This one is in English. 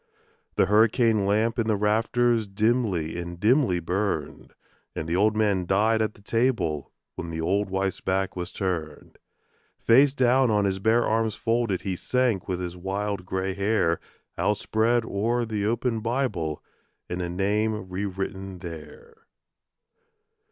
The hurricane lamp in the rafters dimly and dimly burned; And the old man died at the table when the old wife's back was turned. Face down on his bare arms folded he sank with his wild grey hair Outspread o'er the open Bible and a name re written there.